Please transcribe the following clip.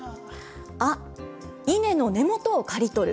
あ、イネの根元を刈り取る。